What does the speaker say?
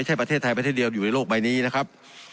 ประเทศไทยประเทศเดียวอยู่ในโลกใบนี้นะครับ